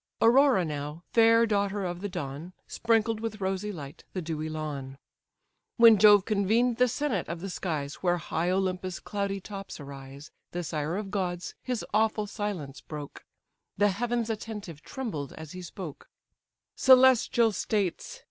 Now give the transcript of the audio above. Aurora now, fair daughter of the dawn, Sprinkled with rosy light the dewy lawn; When Jove convened the senate of the skies, Where high Olympus' cloudy tops arise, The sire of gods his awful silence broke; The heavens attentive trembled as he spoke: "Celestial states!